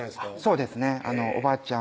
そうですねおばあちゃん